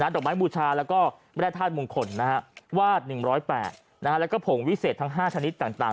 ดอกไม้บูชาแล้วก็แม่ธาตุมงคลวาด๑๐๘แล้วก็ผงวิเศษทั้ง๕ชนิดต่าง